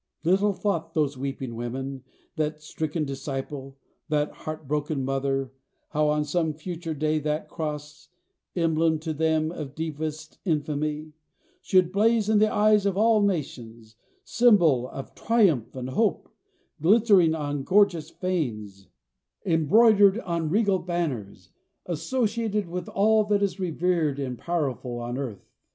Little thought those weeping women, that stricken disciple, that heart broken mother, how on some future day that cross emblem to them of deepest infamy should blaze in the eye of all nations, symbol of triumph and hope, glittering on gorgeous fanes, embroidered on regal banners, associated with all that is revered and powerful on earth.